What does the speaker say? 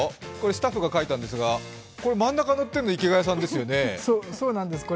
スタッフが描いたんですが真ん中に乗っているの、池谷さんですよね。